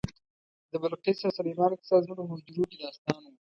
د بلقیس او سلیمان کیسه زموږ په حجرو کې داستان و.